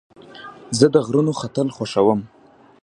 زه د غرونو ختل خوښوم.